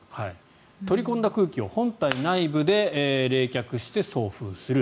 取り込んだ空気を本体内部で冷却して送風する。